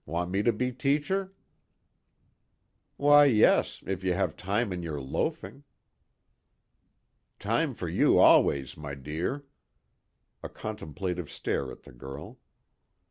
Want me to be teacher?" "Why yes, if you have time in your loafing." "Time for you always, my dear." A contemplative stare at the girl.